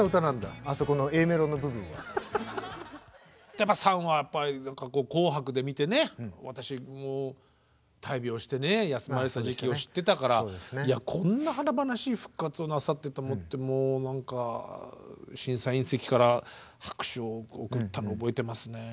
やっぱ「ＳＵＮ」はやっぱり「紅白」で見てね私もう大病をしてね休まれてた時期を知ってたからいやこんな華々しい復活をなさってと思ってもう何か審査員席から拍手を送ったのを覚えてますね。